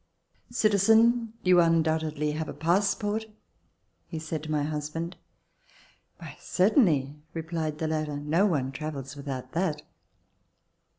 "Citizen, you undoubtedly have a passport," he said to my husband. "Why certainly," replied the latter. "No one travels without that."